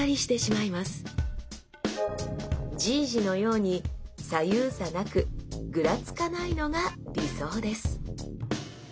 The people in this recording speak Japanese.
じいじのように左右差なくぐらつかないのが理想です